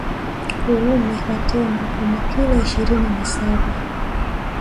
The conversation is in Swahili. Uume wa tembo una kilo ishirini na saba